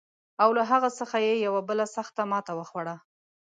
او له هغه څخه یې یوه بله سخته ماته وخوړه.